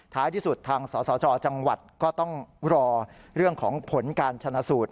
ที่สุดทางสสจจังหวัดก็ต้องรอเรื่องของผลการชนะสูตร